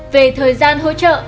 về thời gian hỗ trợ